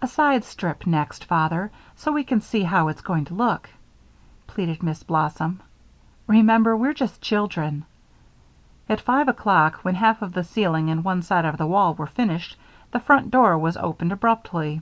"A side strip next, Father, so we can see how it's going to look," pleaded Miss Blossom. "Remember, we're just children." At five o'clock, when half of the ceiling and one side of the wall were finished, the front door was opened abruptly.